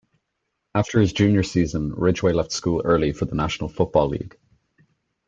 After his junior season, Ridgeway left school early for the National Football League.